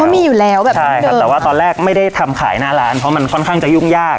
มีอยู่แล้วแบบนี้ใช่ครับแต่ว่าตอนแรกไม่ได้ทำขายหน้าร้านเพราะมันค่อนข้างจะยุ่งยาก